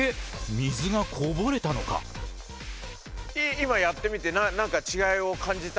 今やってみて何か違いを感じた？